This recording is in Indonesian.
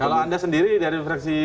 kalau anda sendiri dari fraksi